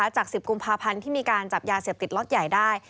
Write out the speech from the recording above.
จาก๑๐กุมภาพันธ์ที่มีการจับยาเสพติดล็อตใหญ่ได้